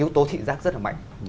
yếu tố thị giác rất là mạnh